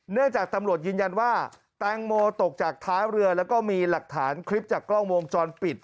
เนื่องจากตำรวจยืนยันว่าแตงโมตกจากท้ายเรือแล้วก็มีหลักฐานคลิปจากกล้องวงจรปิด